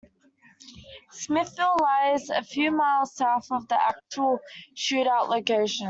Smithville lies a few miles south of the actual shootout location.